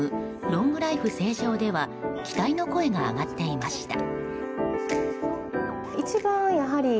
ロングライフ成城では期待の声が上がっていました。